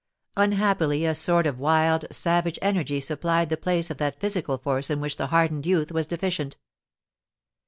Unhappily, a sort of wild, savage energy supplied the place of that physical force in which the hardened youth was deficient.